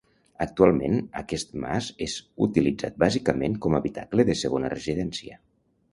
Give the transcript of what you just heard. Actualment aquest mas és utilitzat bàsicament com habitacle de segona residència.